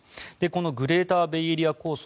このグレーターベイエリア構想